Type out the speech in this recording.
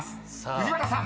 藤原さん］